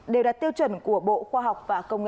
đều đạt tiêu chuẩn của bộ khoa học và công nghệ